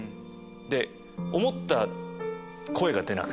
で思った声が出なくて。